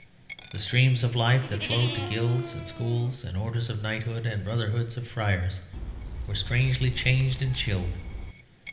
The streams of life that flowed to guilds and schools and orders of knighthood and brotherhoods of friars were strangely changed and chilled.